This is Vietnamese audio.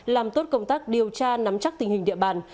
làm tốt công tác điều tra nắm chắc tình hình địa bàn